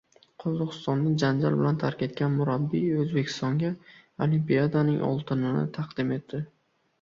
Qozog‘istonni janjal bilan tark etgan murabbiy O‘zbekistonga Olimpiadaning "oltin"ini taqdim etdi